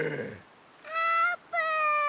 あーぷん。